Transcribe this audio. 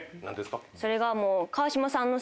それがもう。